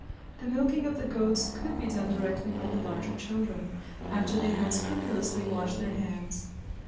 The milking of the goats could be done directly by the larger children, after they had scrupulously washed their hands.